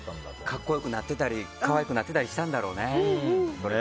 格好良くなってたり可愛くなってたりしたんだろうね。